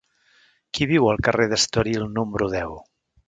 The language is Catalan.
Qui viu al carrer d'Estoril número deu?